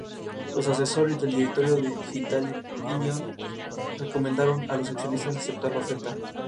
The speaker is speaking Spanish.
Los asesores del directorio de Digital Illusions recomendaron a los accionistas aceptar la oferta.